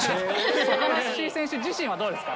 高梨選手自身はどうですか？